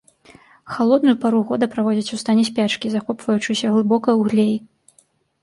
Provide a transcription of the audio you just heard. Халодную пару года праводзіць у стане спячкі, закопваючыся глыбока ў глей.